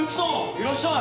いらっしゃい。